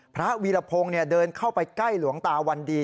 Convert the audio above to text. วีรพงศ์เดินเข้าไปใกล้หลวงตาวันดี